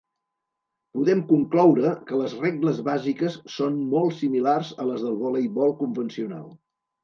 Podem concloure, que les regles bàsiques són molt similars a les del voleibol convencional.